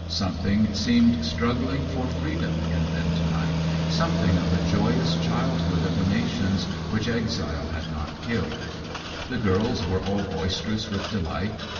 Something seemed struggling for freedom in them to night, something of the joyous childhood of the nations which exile had not killed. The girls were all boisterous with delight.